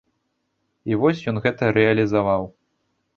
І вось ён гэта рэалізаваў.